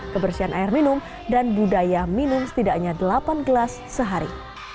kebersihan air minum dan budaya minum setidaknya delapan gelas sehari